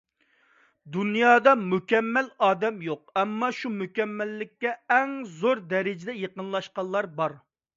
دۇنيادا مۇكەممەل ئادەم يوق، ئەمما شۇ مۇكەممەللىككە ئەڭ زور دەرىجىدە يېقىنلاشقانلار بار.